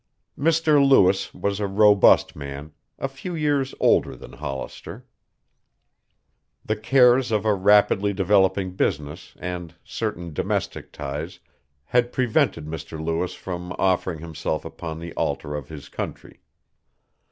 Mr. Lewis was a robust man, a few years older than Hollister. The cares of a rapidly developing business and certain domestic ties had prevented Mr. Lewis from offering himself upon the altar of his country.